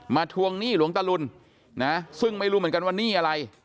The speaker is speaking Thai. ทวงหนี้หลวงตะลุนนะซึ่งไม่รู้เหมือนกันว่าหนี้อะไร